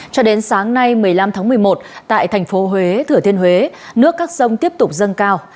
cho đến sáng nay một mươi năm tháng một mươi một tại thành phố huế thừa thiên huế nước các sông tiếp tục dâng cao